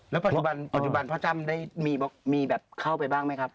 แล้วปัจจุบันพ่อจ้ำได้มีแบบเข้าไปบ้างไหมครับ